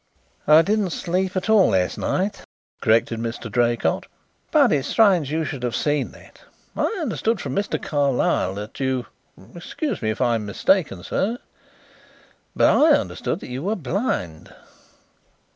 "I didn't sleep at all last night," corrected Mr. Draycott. "But it's strange that you should have seen that. I understood from Mr. Carlyle that you excuse me if I am mistaken, sir but I understood that you were blind."